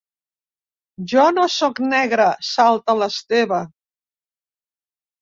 Jo no sóc negre —salta l'Esteve.